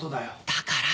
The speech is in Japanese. だから。